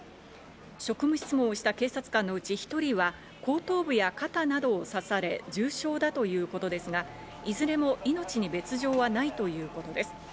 職務質問をした警察官のうち１人は後頭部や肩などを刺され重傷だということですがいずれも命に別条はないということです。